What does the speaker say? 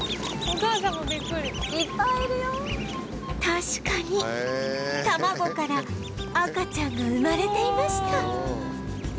確かに卵から赤ちゃんが生まれていました